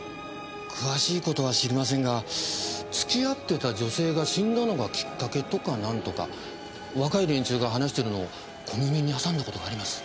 詳しい事は知りませんが付き合ってた女性が死んだのがきっかけとかなんとか若い連中が話してるのを小耳に挟んだ事があります。